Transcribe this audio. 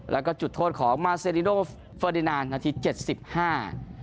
แล้วก็จุดโทษของมาเซริโดเฟอร์ดินานนาทีเจ็ดสิบห้า